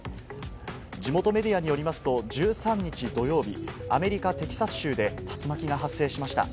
地元メディアによりますと、１３日、土曜日、アメリカ・テキサス州で竜巻が発生しました。